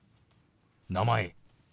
「名前」。